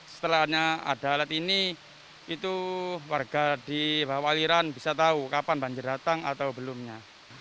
setelahnya ada alat ini itu warga di bawah aliran bisa tahu kapan banjir datang atau belumnya